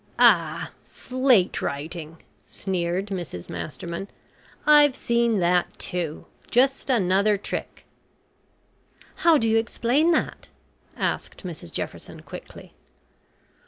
"Ah, slate writing," sneered Mrs Masterman. "I've seen that too. Just another trick." "How do you explain that?" asked Mrs Jefferson quickly.